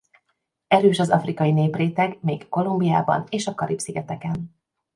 Erős az afrikai népréteg még Kolumbiában és a Karib-szigeteken.